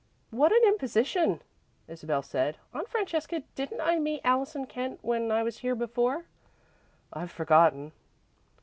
"What an imposition!" Isabel said. "Aunt Francesca, didn't I meet Allison Kent when I was here before?" "I've forgotten."